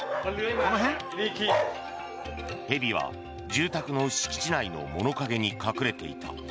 蛇は住宅の敷地内の物陰に隠れていた。